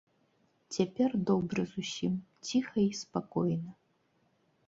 Цяпер добра зусім, ціха й спакойна.